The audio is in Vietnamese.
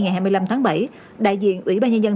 ngày hai mươi năm tháng bảy đại diện ủy ban nhân dân